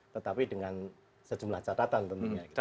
tetapi dengan sejumlah catatan tentunya